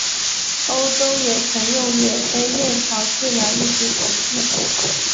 欧洲也曾用野飞燕草治疗一些疾病。